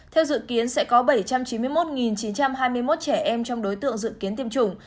theo dự kiến sẽ có bảy trăm chín mươi một chín trăm hai mươi một trẻ em trong đối tượng dự kiến tiêm chủng